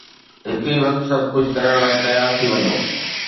هڪ ئي وقت سڀ ڪجهه ڪرڻ لاءِ تيار ٿي وڃو